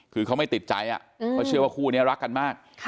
คือเขาไม่ติดใจเขาเชื่อว่าคู่นี้รักกันมาก